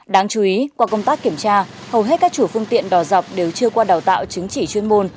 đáng chú ý qua công tác kiểm tra hầu hết các chủ phương tiện đò dọc đều chưa qua đào tạo chứng chỉ chuyên môn